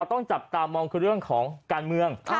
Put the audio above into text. ต้องจับตามองคือเรื่องของการเมือง